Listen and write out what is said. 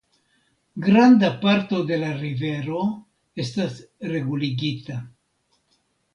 Granda parto de la rivero estas reguligita.